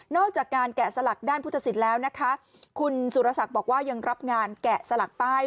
อกจากการแกะสลักด้านพุทธศิลป์แล้วนะคะคุณสุรศักดิ์บอกว่ายังรับงานแกะสลักป้าย